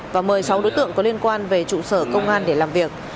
và một mươi sáu đối tượng có liên quan về trụ sở công an để làm việc